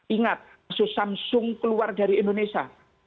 ingat kasus samsung keluar dari indonesia